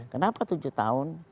kenapa tujuh tahun